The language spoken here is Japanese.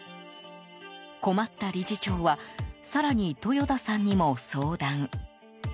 困った理事長は更に豊田さんにも相談。